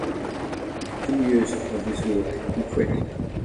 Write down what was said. After two years of this work, he quit.